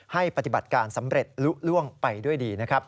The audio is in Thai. ให้ปฏิบัติการสำเร็จลุล่วงไปด้วยดีนะครับ